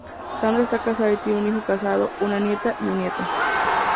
Sandra está casada y tiene un hijo casado, una nieta y un nieto.